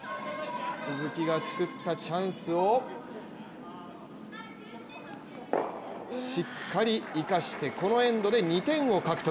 鈴木がつくったチャンスを、しっかり生かして、このエンドで２点を獲得。